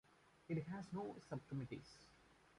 It has no subcommittees.